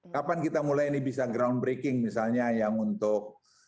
kapan kita mulai ini bisa groundbreaking misalnya yang untuk